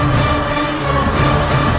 jangan percaya mu